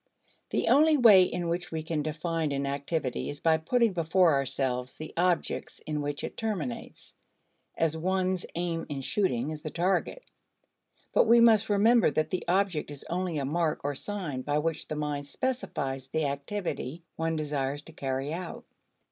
The only way in which we can define an activity is by putting before ourselves the objects in which it terminates as one's aim in shooting is the target. But we must remember that the object is only a mark or sign by which the mind specifies the activity one desires to carry out.